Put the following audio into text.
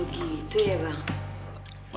gitu ya bang